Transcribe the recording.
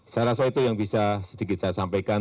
saya rasa itu yang bisa sedikit saya sampaikan